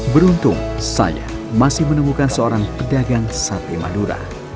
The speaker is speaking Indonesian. beruntung saya masih menemukan seorang pedagang sate madura